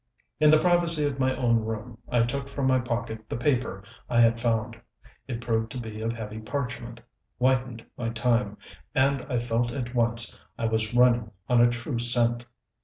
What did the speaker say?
In the privacy of my own room I took from my pocket the paper I had found. It proved to be of heavy parchment, whitened by time; and I felt at once I was running on a true scent.